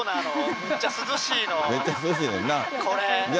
めっちゃ涼しいねんな。